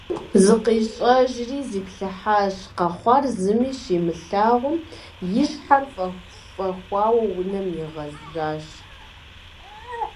ЗыкъищӀэжри зиплъыхьащ, къэхъуар зыми щимылъагъум, и щхьэр фӀэхуауэ унэм игъэзжащ.